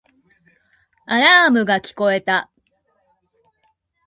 アラームが聞こえた